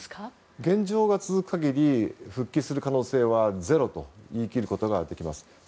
現状が続く限り復帰する可能性はゼロと言い切ることができます。